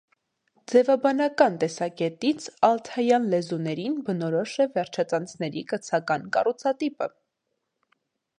Ձևաբանական տեսակետից ալթայան լեզուներին բնորոշ է վերջածանցների կցական կառուցատիպը։